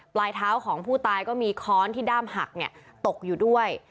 ปลายเท้าของผู้ตายก็มีค้อนที่ด้ามหักตกอยู่ด้วย